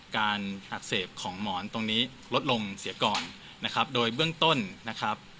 การอักเสบของหมอนตรงนี้ลดลงเสียก่อนนะครับโดยเบื้องต้นนะครับ